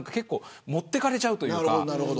持っていかれちゃうというか。